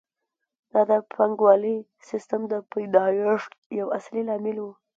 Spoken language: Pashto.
دا د پانګوالي سیسټم د پیدایښت یو اصلي لامل وو